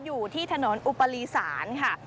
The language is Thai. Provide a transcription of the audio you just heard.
อยู่ที่ถนนอุปรีศาลค่ะ